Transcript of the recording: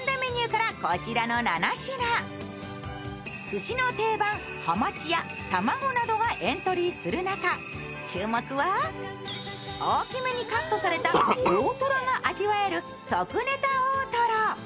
すしの定番、はまちやたまごなどがエントリーする中、注目は大きめにカットされた大とろが味わえる特ネタ大とろ。